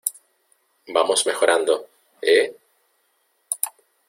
vamos mejorando, ¿ eh?